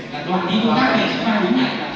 là đoàn ý công tác để chúa ba uống này